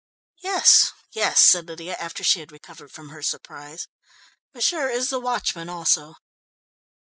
"Yes, yes," said Lydia, after she had recovered from her surprise. "M'sieur is the watchman, also."